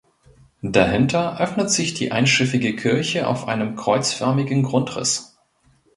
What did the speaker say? Dahinter öffnet sich die einschiffige Kirche auf einem kreuzförmigen Grundriss.